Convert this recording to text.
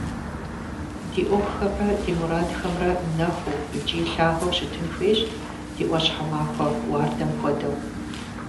Ди ӏуэхухэмрэ ди мурадхэмрэ нэхуу икӏи лъагэу щытын хуейщ, ди ӏуащхьэмахуэ уардэм хуэдэу.